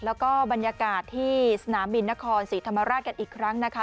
แล้วก็บรรยากาศที่สนามบินนครศรีธรรมราชกันอีกครั้งนะคะ